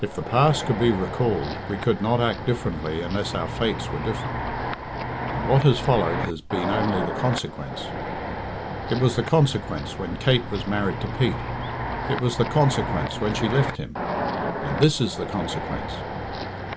If the past could be recalled we could not act differently unless our fates were different. And what has followed has been only the consequence. It was the consequence when Kate was married to Pete; it was the consequence when she left him and this is the consequence."